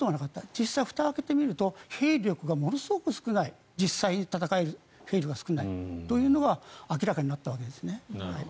実際にふたを開けてみると兵力がものすごく少ない実際に戦える兵力が少ないというのが明らかになったわけですね。